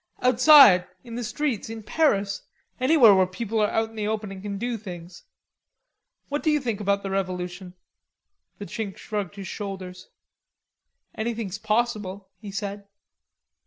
"Outside, in the streets, in Paris, anywhere where people are out in the open and can do things. What do you think about the revolution?" The Chink shrugged his shoulders. "Anything's possible," he said.